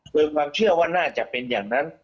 โดยความเชื่อว่าน่าจะเป็นอย่างนั้น